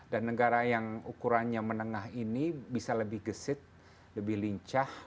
dan negara yang ukurannya menengah ini bisa lebih gesit lebih lincah